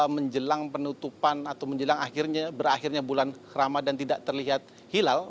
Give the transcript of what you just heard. menjelang penutupan atau menjelang akhirnya berakhirnya bulan ramadan tidak terlihat hilal